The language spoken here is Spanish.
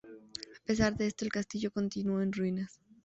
A pesar de esto, el castillo continuó en ruinas.